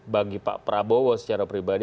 bagi pak prabowo secara pribadi